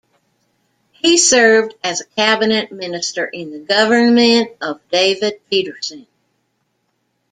He served as a cabinet minister in the government of David Peterson.